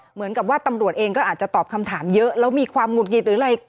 เหมือนกับว่าตำรวจเองก็อาจจะตอบคำถามเยอะแล้วมีความหุดหงิดหรืออะไร